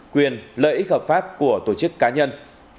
quyền lợi ích hợp pháp của tổ chức cá nhân